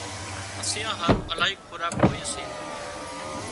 مسيان هارو الاهي خوراڪ هوئي سي